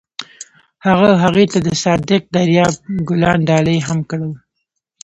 هغه هغې ته د صادق دریاب ګلان ډالۍ هم کړل.